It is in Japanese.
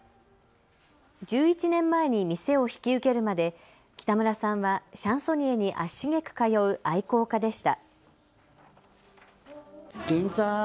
１１年前に店を引き受けるまで北村さんはシャンソニエに足しげく通う、愛好家でした。